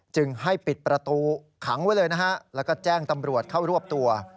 จึงให้ปิดประตูขังไว้เลยนะฮะแล้วก็แจ้งตำรวจเข้ารวบตัว